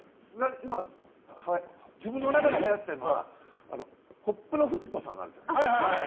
俺が今、自分の中ではやっているのはコップのフチ子さんあるじゃない。